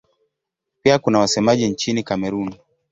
Pia kuna wasemaji nchini Kamerun.